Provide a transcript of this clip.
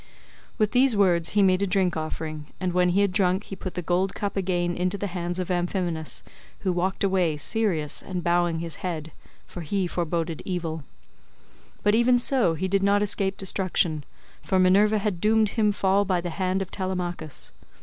With these words he made a drink offering, and when he had drunk he put the gold cup again into the hands of Amphinomus, who walked away serious and bowing his head, for he foreboded evil. But even so he did not escape destruction, for Minerva had doomed him to fall by the hand of Telemachus.